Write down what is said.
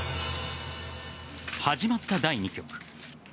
始まった第２局。